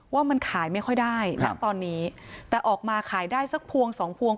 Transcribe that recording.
ว่ามันขายไม่ค่อยได้ณตอนนี้แต่ออกมาขายได้สักพวงสองพวง